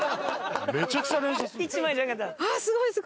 めちゃくちゃ連写する。